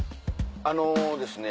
あのですね